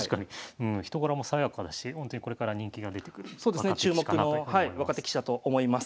うん人柄も爽やかだしほんとにこれから人気が出てくる若手棋士かなと思います。